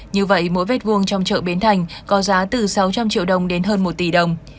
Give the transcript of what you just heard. như vậy mỗi mét vuông trong chợ bến thành có giá từ sáu trăm linh triệu đồng đến hơn một tỷ đồng